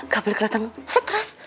gak boleh keliatan stress